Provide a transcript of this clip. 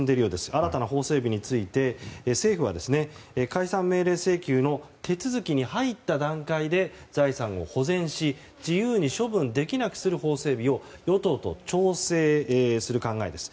新たな法整備について政府は、解散命令請求の手続きに入った段階で財産を保全し自由に処分できなくする法整備を与党と調整する考えです。